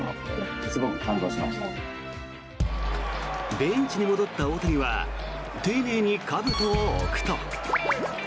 ベンチに戻った大谷は丁寧にかぶとを置くと。